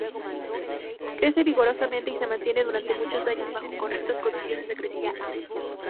Crece vigorosamente y se mantiene durante muchos años bajo correctas condiciones de crecimiento.